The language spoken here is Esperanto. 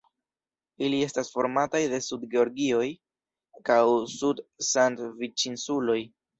Ili estas formataj de Sud-Georgioj kaj Sud-Sandviĉinsuloj.